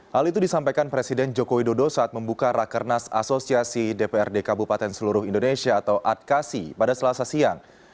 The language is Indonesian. hal itu disampaikan presiden joko widodo saat membuka rakernas asosiasi dprd kabupaten seluruh indonesia atau adkasi pada selasa siang